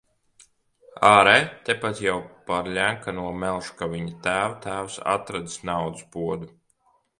Āre, tepat jau par Ļenkano melš, ka viņa tēva tēvs atradis naudas podu.